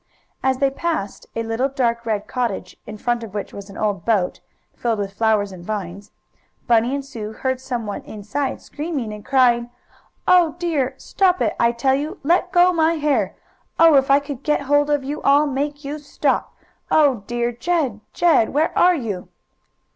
As they passed a little dark red cottage, in front of which was an old boat, filled with flowers and vines, Bunny and Sue heard some one inside screaming and crying: "Oh dear! Stop it I tell you! Let go my hair! Oh, if I get hold of you I'll make you stop! Oh dear! Jed! Jed! Where are you?"